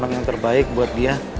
yang terbaik buat dia